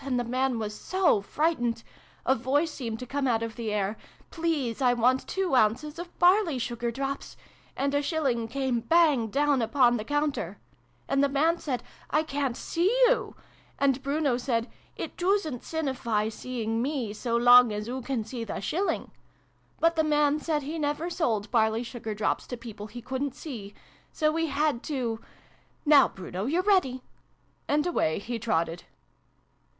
And the man was so frightened ! A voice seemed to come out of the air, ' Please, I want two ounces of barley sugar drops !' And a shilling came bang down upon the counter ! And the man said ' I ca'n't see you !' And Bruno said ' It doosn't sinnify seeing me, so long as oo can see the shilling!' But the man said he never sold barley sugar drops to people he couldn't see. So we had to Now, Bruno, you're ready !" And away he trotted.